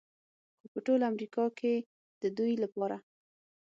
خو په ټول امریکا کې د دوی لپاره